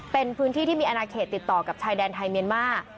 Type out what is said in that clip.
เป็นพื้นที่ที่มีอนาเขตติดต่อกับชายแดนไทยเมียนมาร์